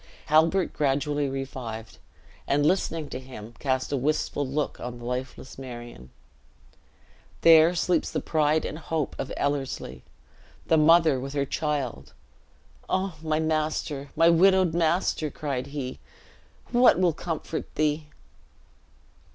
Halbert gradually revived; and listening to him, cast a wistful look on the lifeless Marion. "There sleeps the pride and hope of Ellerslie, the mother with her child! O my master, my widowed master," cried he, "what will comfort thee!"